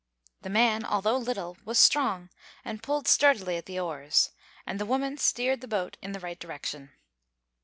The man, although little, was strong, and pulled sturdily at the oars; and the woman steered the boat in the right direction.